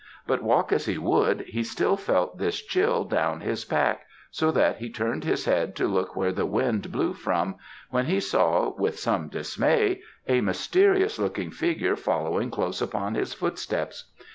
But walk as he would, he still felt this chill down his back, so that he turned his head to look where the wind blew from, when he saw, with some dismay, a mysterious looking figure following close upon his footsteps.